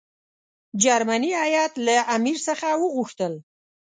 جرمني هیات له امیر څخه وغوښتل.